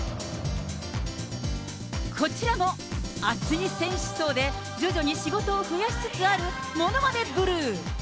こちらも厚い選手層で、徐々に仕事を増やしつつあるものまねブルー。